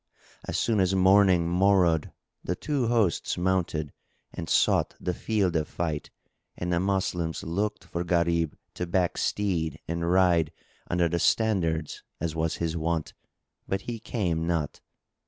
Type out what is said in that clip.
As soon as morning morrowed the two hosts mounted and sought the field of fight; and the Moslems looked for Gharib to back steed and ride under the standards as was his wont, but he came not.